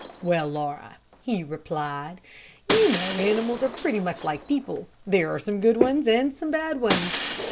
"Well, Laura," he replied, "you know animals are pretty much like people. There are some good ones and some bad ones.